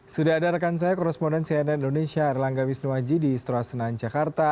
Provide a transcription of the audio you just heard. sudah ada rekan saya korresponden cnn indonesia erlangga misnuwaji di stora senan jakarta